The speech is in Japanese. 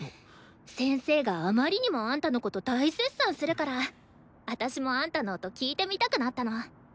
先生があまりにもあんたのこと大絶賛するから私もあんたの音聴いてみたくなったの。